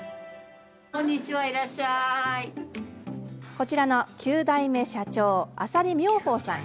こちらの９代目社長浅利妙峰さん。